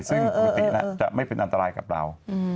ซึ่งปกติแล้วจะไม่เป็นอันตรายกับเรา